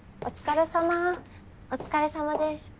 お疲れさまです。